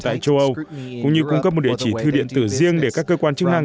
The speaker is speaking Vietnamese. tại châu âu cũng như cung cấp một địa chỉ thư điện tử riêng để các cơ quan chức năng